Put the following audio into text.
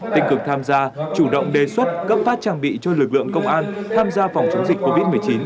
tích cực tham gia chủ động đề xuất cấp phát trang bị cho lực lượng công an tham gia phòng chống dịch covid một mươi chín